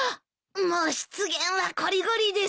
もう失言はこりごりです。